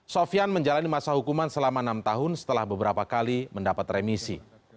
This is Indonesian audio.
sofian menjalani masa hukuman selama enam tahun setelah beberapa kali mendapat remisi